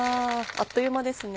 あっという間ですね。